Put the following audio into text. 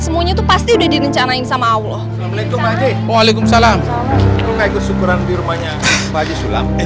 semuanya tuh pasti direncanain sama allah waalaikumsalam kesukuran di rumahnya baju sulam